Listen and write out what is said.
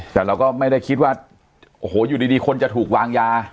แต่เราก็ไม่ได้คิดว่าโอ้โหอยู่ดีคนจะถูกวางยา